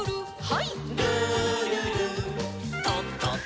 はい。